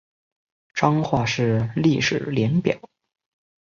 彰化市历史年表